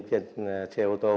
trên xe ô tô